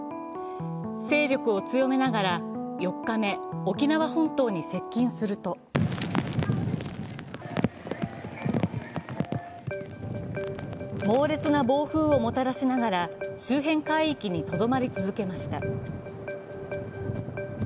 勢力を強めながら４日目、沖縄本島に接近すると猛烈な暴風をもたらしながら周辺海域にとどまり続けました。